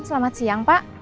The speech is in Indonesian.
selamat siang pak